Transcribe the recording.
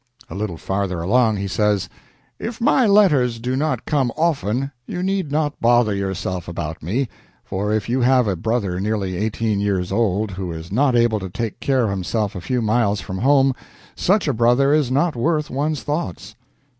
A little farther along he says: "If my letters do not come often, you need not bother yourself about me; for if you have a brother nearly eighteen years old who is not able to take care of himself a few miles from home, such a brother is not worth one's thoughts."